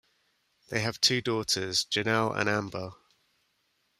They have two daughters, Janell and Amber.